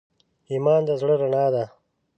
ایمان د زړه رڼا ده.